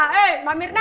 eh mbak mirna